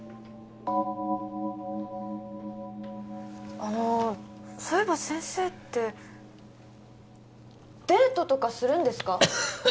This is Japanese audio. あのそういえば先生ってデートとかするんですか？